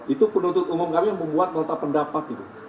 itu penuntut umum kami yang membuat kontak pendapat itu